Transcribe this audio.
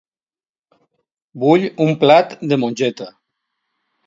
Vull un plat de mongeta.